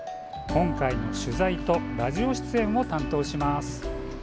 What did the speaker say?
今回の取材とラジオ出演を担当します。